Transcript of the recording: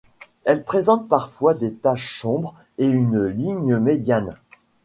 Elle présente parfois des taches sombres et une ligne médiane.